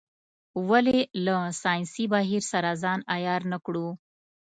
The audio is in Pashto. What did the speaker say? ولې له ساینسي بهیر سره ځان عیار نه کړو.